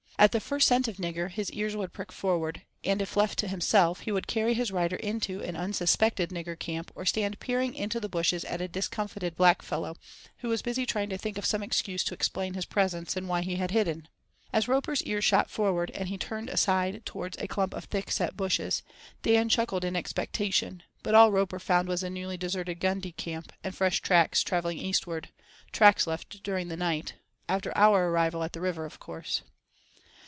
At the first scent of "nigger" his ears would prick forward, and if left to himself, he would carry his rider into an unsuspected nigger camp, or stand peering into the bushes at a discomfited black fellow, who was busy trying to think of some excuse to explain his presence and why he had hidden. As Roper's ears shot forward and he turned aside towards a clump of thick set bushes, Dan chuckled in expectation, but all Roper found was a newly deserted gundi camp, and fresh tracks travelling eastwards—tracks left during the night—after our arrival at the river, of course.